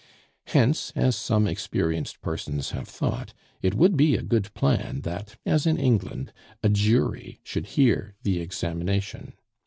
Hence, as some experienced persons have thought, it would be a good plan that, as in England, a jury should hear the examination.